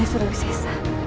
dan di suruh sisa